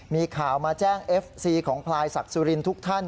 มีข่าวมาแจ้งเอฟซีของพลายศักดิ์สุรินทร์ทุกท่าน